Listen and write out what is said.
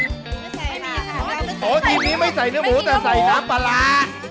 ไม่ใช่ค่ะทีมนี้ไม่ใส่เนื้อหมูแต่ใส่น้ำปลา